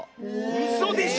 うそでしょ